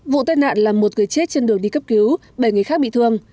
vụ tai nạn là một người chết trên đường đi cấp cứu bảy người khác bị thương